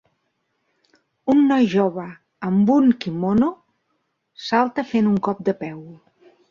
Un noi jove amb un quimono salta fent un cop de peu.